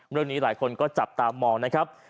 เรื่องนี้หลายคนก็จับตามองนะครับ